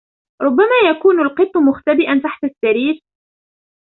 ربما يكون القط مختبئا تحت السرير.